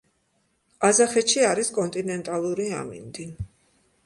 ყაზახეთში არის კონტინენტალური ამინდი.